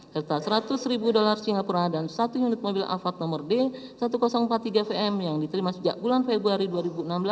serta seratus ribu dolar singapura dan satu unit mobil avat nomor d seribu empat puluh tiga vm yang diterima sejak bulan februari dua ribu enam belas